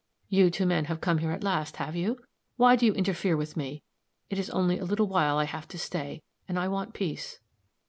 "You two men have come here at last, have you? Why do you interfere with me? It's only a little while I have to stay, and I want peace."